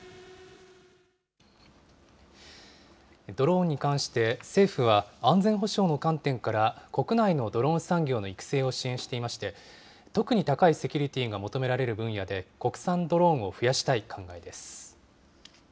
ドローンに関して政府は、安全保障の観点から、国内のドローン産業の育成を支援していまして、特に高いセキュリティーが求められる分野で、国産ドローンを増やしたい考えです。